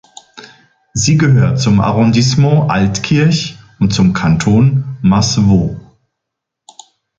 Sie gehört zum Arrondissement Altkirch und zum Kanton Masevaux.